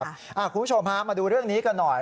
คุณผู้ชมฮะมาดูเรื่องนี้กันหน่อย